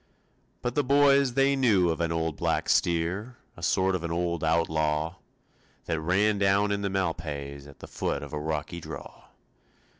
But the boys they knew of an old black steer, A sort of an old outlaw That ran down in the malpais At the foot of a rocky draw.